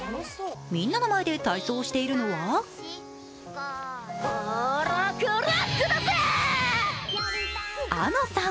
みんなの前で体操をしているのはあのさん！